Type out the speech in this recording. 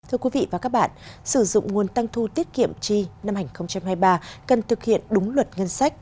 thưa quý vị và các bạn sử dụng nguồn tăng thu tiết kiệm chi năm hai nghìn hai mươi ba cần thực hiện đúng luật ngân sách